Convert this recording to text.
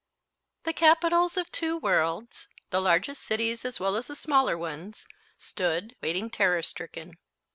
The capitals of two worlds, the largest cities as well as the smaller ones, stood waiting terror stricken.